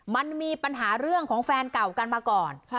มันมีปัญหาเรื่องของแฟนเก่ากันมาก่อน